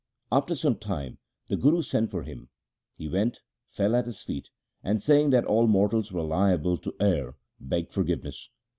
After some time the Guru sent for him. He went, fell at his feet, and saying that all mortals were liable to err begged forgiveness.